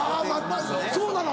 そうなの？